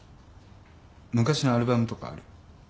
昔のアルバムとかある？